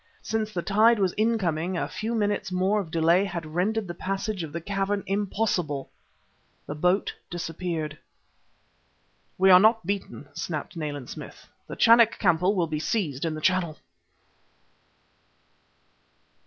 Since the tide was incoming, a few minutes more of delay had rendered the passage of the cavern impossible.... The boat disappeared. "We are not beaten!" snapped Nayland Smith. "The Chanak Kampo will be seized in the Channel!"